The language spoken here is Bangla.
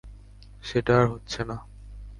সেটা আর হচ্ছে না।